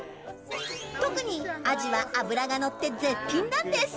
特にアジは脂がのって絶品なんです。